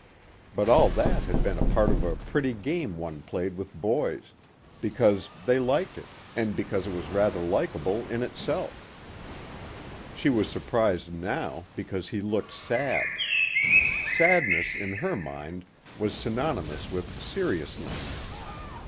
But all that had been a part of a pretty game one played with boys, because they liked it and because it was rather likable in itself. She was surprised now because he looked sad. Sadness in her mind was synonymous with seriousness.